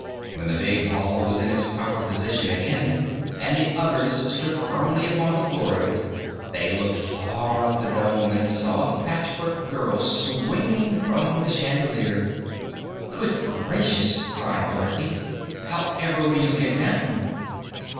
When the big hall was in its proper position again and the others stood firmly upon the floor of it, they looked far up the dome and saw the Patchwork girl swinging from the chandelier. "Good gracious!" cried Dorothy. "How ever will you get down?"